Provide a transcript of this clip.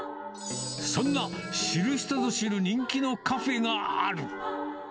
そんな知る人ぞ知る人気のカフェがある。